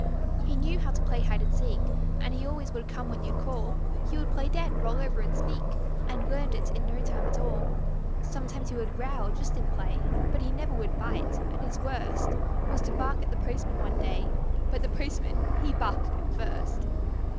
He knew how to play hide and seek And he always would come when you'd call; He would play dead, roll over and speak, And learned it in no time at all. Sometimes he would growl, just in play, But he never would bite, and his worst Was to bark at the postman one day, But the postman, he barked at him first.